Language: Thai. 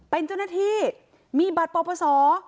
เป็นเจ้าหน้าที่มีบัตรปปศ